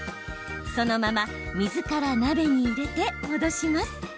そのまま水から鍋に入れて戻します。